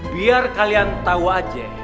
biar kalian tau aja